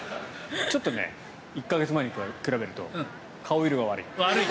ちょっと１か月前に比べると悪い。